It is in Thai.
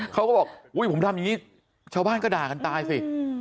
เขาก็บอกอุ้ยผมทำอย่างนี้ชาวบ้านก็ด่ากันตายสิ